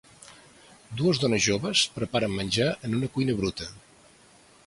Dues dones joves preparen menjar en una cuina bruta.